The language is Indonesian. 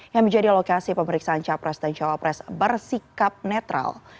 yang menjadi lokasi pemeriksaan capres dan cawapres bersikap netral